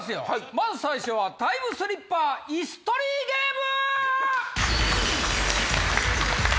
まず最初はタイムスリッパー椅子取りゲーム！